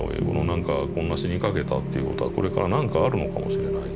なんかこんな死にかけたっていうことはこれから何かあるのかもしれない。